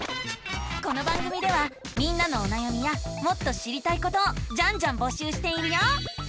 この番組ではみんなのおなやみやもっと知りたいことをジャンジャンぼしゅうしているよ！